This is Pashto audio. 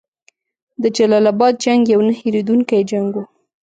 د جلال اباد جنګ یو نه هیریدونکی جنګ وو.